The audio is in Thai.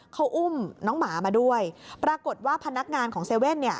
เขาอุ้มน้องหมามาด้วยปรากฏว่าพนักงานของเซเว่นเนี่ย